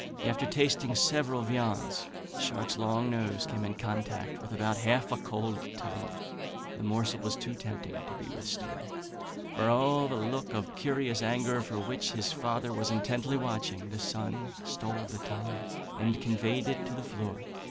After tasting several viands, Shark's long nose came in contact with about half a cold tongue; the morsel was too tempting to be withstood. For all the look of curious anger with which his father was intently watching, the son stole the tongue and conveyed it to the floor.